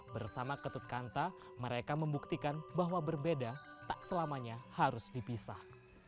bersama ketut kanta mereka membuktikan bahwa berbeda tak selamanya harus dipisah